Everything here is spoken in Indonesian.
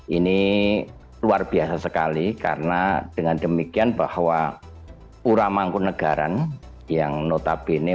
ini luar biasa sekali karena dengan demikian bahwa pura mangkunagaran yang notabene